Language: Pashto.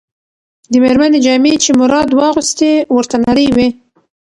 د مېرمنې جامې چې مراد واغوستې، ورته نرۍ وې.